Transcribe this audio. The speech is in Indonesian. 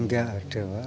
tidak ada pak